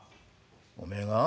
「おめえが？